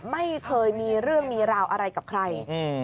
ไม่เคยมีเรื่องมีราวอะไรกับใคร